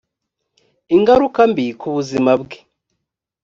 ingaruka mbi ku buzima bwe